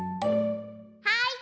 はい！